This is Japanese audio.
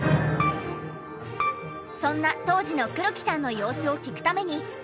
そんな当時の黒木さんの様子を聞くために。